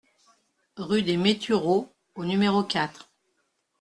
Rue des Métureauds au numéro quatre